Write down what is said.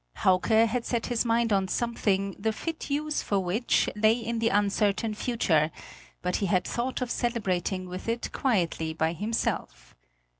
Hauke had set his mind on something the fit use for which lay in the uncertain future; but he had thought of celebrating with it quietly by himself.